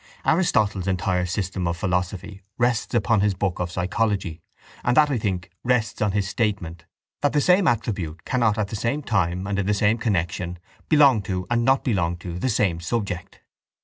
Aristotle's entire system of philosophy rests upon his book of psychology and that, I think, rests on his statement that the same attribute cannot at the same time and in the same connexion belong to and not belong to the same subject.